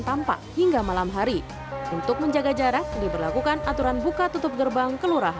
tampak hingga malam hari untuk menjaga jarak diberlakukan aturan buka tutup gerbang kelurahan